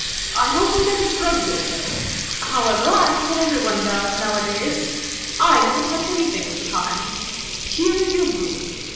I hope you never drug yourself. However, I am told every one does, nowadays. I never touch anything of the kind. Here is your room.